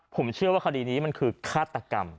ผมเชื่อว่าคดีนี้มันคือฆาตกรรม